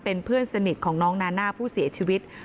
เป็นเพื่อนสนิทของน้องนาน่าผู้เสียชีวิต